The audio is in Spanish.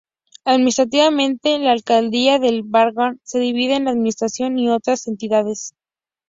Administrativamente la Alcaldía de El Bagre se divide: En La administración y otras entidades.